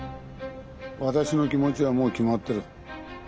私の気持ちはもう決まってる。